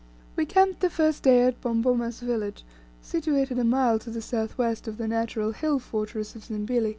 We camped the first day at Bomboma's village, situated a mile to the south west of the natural hill fortress of Zimbili.